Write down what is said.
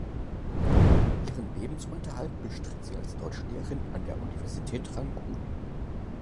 Ihren Lebensunterhalt bestritt sie als Deutschlehrerin an der Universität Rangun.